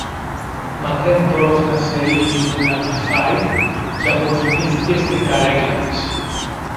Μα δεν πρόφθασε η Ειρηνούλα να φάει, και αποκοιμήθηκε στην καρέκλα της.